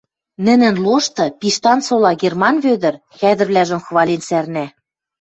Нӹнӹн лошты Пиштан сола Герман Вӧдӹр хӓдӹрвлӓжӹм хвален сӓрнӓ.